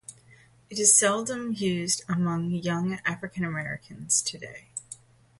It is seldom used among young African-Americans today.